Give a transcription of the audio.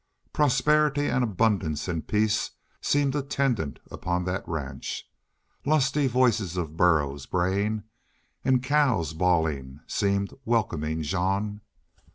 Prosperity and abundance and peace seemed attendant upon that ranch; lusty voices of burros braying and cows bawling seemed welcoming Jean.